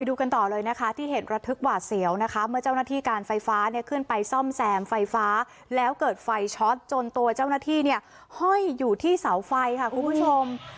ดูกันต่อเลยนะคะที่เห็นระทึกหวาดเสียวนะคะเมื่อเจ้าหน้าที่การไฟฟ้าเนี่ยขึ้นไปซ่อมแซมไฟฟ้าแล้วเกิดไฟช็อตจนตัวเจ้าหน้าที่เนี่ยห้อยอยู่ที่เสาไฟค่ะคุณผู้ชม